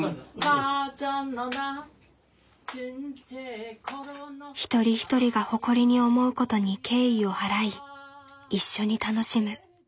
母ちゃんのな一人一人が誇りに思うことに敬意を払い一緒に楽しむ。